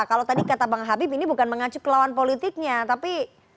kalau tadi kata bang habib ini bukan mengacu ke lawan politiknya tapi